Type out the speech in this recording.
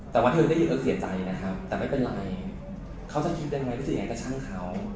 แต่ว่าเธอได้ยินเอิ๊กเสียใจนะครับแต่ไม่เป็นไรเขาจะคิดได้ยังไงว่าจะช่างเขา